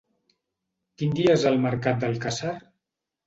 Quin dia és el mercat d'Alcàsser?